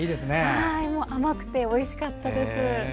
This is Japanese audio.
甘くておいしかったです。